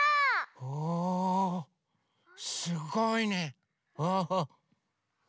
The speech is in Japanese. おすごいね。